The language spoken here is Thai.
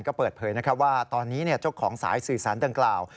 ก็เปิดเผยว่าตอนนี้เจ้าของสายสื่อสารดังกล่าว